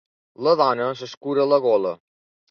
La dona s'escura la gola.